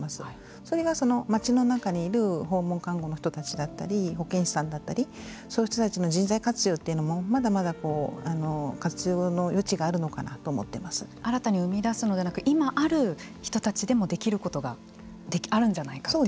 それが町の中にいる訪問看護の人たちだったり保健師さんだったりそういう人たちの人材活用というのもまだまだ活用の余地が新たに生み出すのではなく今ある人たちでもできることがあるんじゃないかという。